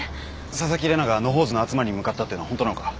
紗崎玲奈が野放図の集まりに向かったってのはホントなのか？